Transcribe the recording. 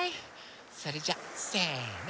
それじゃせの。